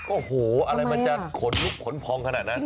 โอ้โหอะไรมันจะขนลุกขนพองขนาดนั้น